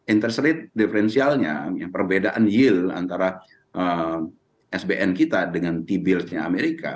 interest rate differential nya perbedaan yield antara sbn kita dengan t build nya amerika